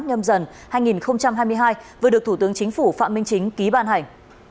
nhâm dần hai nghìn hai mươi hai vừa được thủ tướng chính phủ phạm minh chính ký ban hành